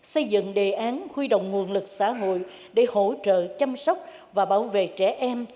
xây dựng đề án huy động nguồn lực xã hội để hỗ trợ chăm sóc và bảo vệ trẻ em